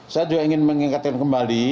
saya juga ingin mengingatkan kembali